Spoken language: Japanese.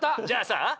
じゃあさ